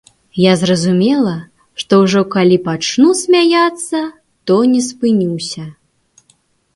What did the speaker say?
Я разумела, што ўжо калі пачну смяяцца, то не спынюся.